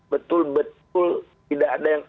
betul betul tidak ada yang